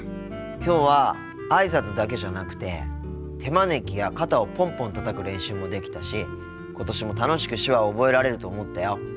きょうはあいさつだけじゃなくて手招きや肩をポンポンたたく練習もできたし今年も楽しく手話を覚えられると思ったよ。